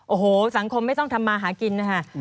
โอ้โหสังคมไม่ต้องทำมาหากินนะคะ